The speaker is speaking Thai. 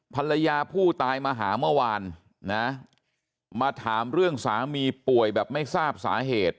ภรรยาผู้ตายมาหาเมื่อวานนะมาถามเรื่องสามีป่วยแบบไม่ทราบสาเหตุ